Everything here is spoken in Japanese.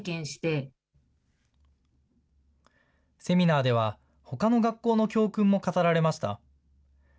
セミナーでは、ほかの学校の教訓も語られました。